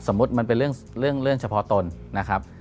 มันเป็นเรื่องเฉพาะตนนะครับ